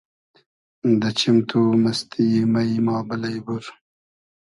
دۂ چیم تو مئستی یی مݷ ما بئلݷ بور